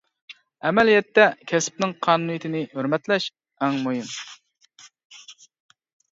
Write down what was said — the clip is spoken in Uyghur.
ئەمەلىيەتتە، كەسىپنىڭ قانۇنىيىتىنى ھۆرمەتلەش ئەڭ مۇھىم.